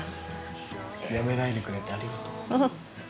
辞めないでくれてありがとう。